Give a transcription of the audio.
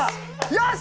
よし！